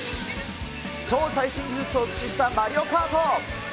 超最新技術を駆使したマリオカート。